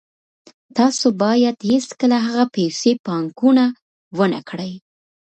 تاسو باید هیڅکله هغه پیسې پانګونه ونه کړئ